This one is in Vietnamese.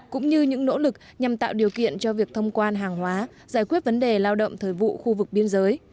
cũng như những nỗ lực nhằm tạo điều kiện cho việc thông quan hàng hóa giải quyết vấn đề lao động thời vụ khu vực biên giới